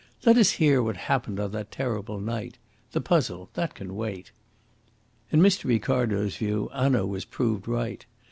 Let us hear what happened on that terrible night. The puzzle that can wait." In Mr. Ricardo's view Hanaud was proved right.